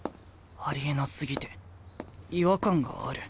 ありえなすぎて違和感がある。